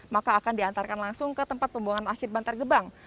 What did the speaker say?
maka akan diantarkan langsung ke tempat pembuangan akhir bantar gebang